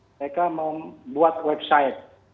mereka membuat website